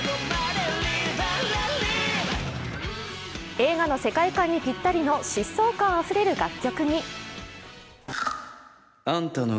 映画の世界観にぴったりの疾走感あふれる楽曲に。